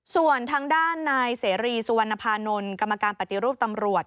ส่วนทางด้านนายเสรีสุวรรณภานนท์กรรมการปฏิรูปตำรวจ